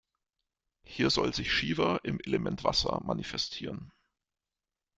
Hier soll sich Shiva im Element Wasser manifestieren.